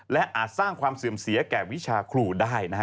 และอาจสร้างความเสื่อมเสียแก่วิชาครูได้นะฮะ